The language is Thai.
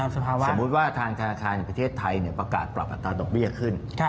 สมมุติว่าทางธนาคารประเทศไทยประกาศปรับอัตราดอกเบี้ยขึ้น